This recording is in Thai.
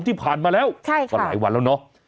ที่ผ่านมาแล้วก็หลายวันแล้วเนอะ